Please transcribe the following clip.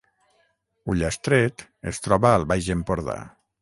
Ullastret es troba al Baix Empordà